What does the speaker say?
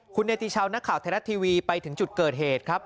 คุณเนติชาวนักข่าวไทยรัฐทีวีไปถึงจุดเกิดเหตุครับ